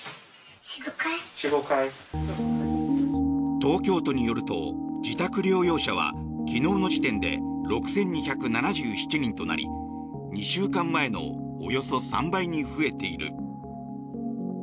東京都によると自宅療養者は昨日の時点で６２７７人となり２週間前のおよそ３倍に増えている。